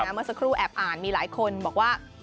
เมื่อสักครู่แอบอ่านมีหลายคนบอกว่า